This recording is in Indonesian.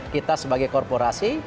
kita sebagai korporasi